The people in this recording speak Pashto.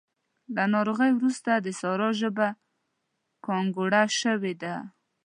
له ناروغۍ روسته د سارا ژبه ګانګوړه شوې ده.